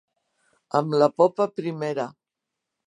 Amb la popa primera.